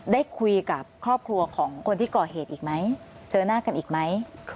ได้คุยกับครอบครัวของคนที่ก่อเหตุอีกไหมเจอหน้ากันอีกไหม